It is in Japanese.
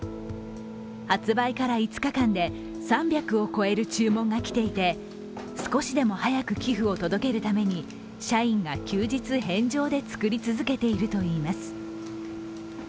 発売から５日間で３００を超える注文が来ていて少しでも早く寄付を届けるために社員が休日返上で作り続けているといいます。